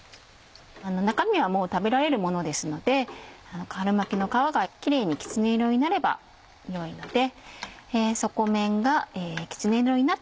中身はもう食べられるものですので春巻きの皮がキレイにきつね色になれば良いので。